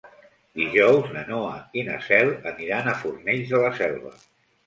Dijous na Noa i na Cel aniran a Fornells de la Selva.